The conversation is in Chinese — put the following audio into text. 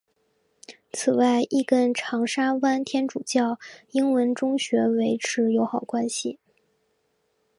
此外亦跟长沙湾天主教英文中学维持友好关系。